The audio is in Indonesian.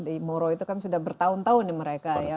di moro itu kan sudah bertahun tahun mereka ya